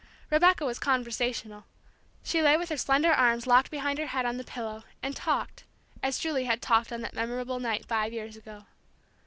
Rebecca was conversational. She lay with her slender arms locked behind her head on the pillow, and talked, as Julie had talked on that memorable night five years ago.